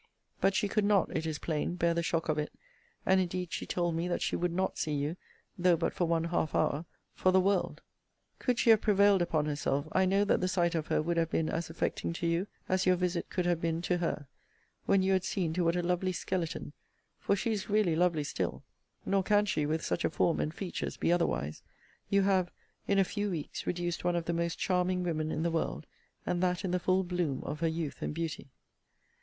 But she could not, it is plain, bear the shock of it: and indeed she told me that she would not see you, though but for one half hour, for the world. Could she have prevailed upon herself, I know that the sight of her would have been as affecting to you, as your visit could have been to her; when you had seen to what a lovely skeleton (for she is really lovely still, nor can she, with such a form and features, be otherwise) you have, in a few weeks, reduced one of the most charming women in the world; and that in the full bloom of her youth and beauty.